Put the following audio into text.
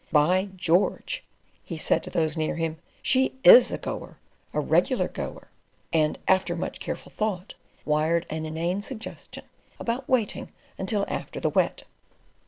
"By George!" he said to those near him, "she IS a goer, a regular goer"; and after much careful thought wired an inane suggestion about waiting until after the Wet.